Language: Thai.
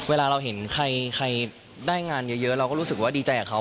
เวลาเราเห็นใครได้งานเยอะเราก็รู้สึกว่าดีใจกับเขา